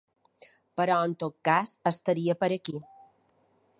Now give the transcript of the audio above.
Però en tot cas estaria per aquí.